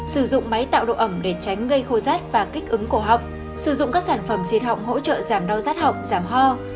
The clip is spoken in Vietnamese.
sử dụng máy tạo độ ẩm để tránh gây khô rát và kích ứng cổ học sử dụng các sản phẩm diệt học hỗ trợ giảm đau rát học giảm ho